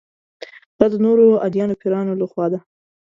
دا د نورو ادیانو پیروانو له خوا ده.